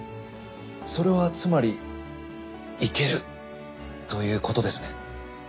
それはつまりいけるということですね？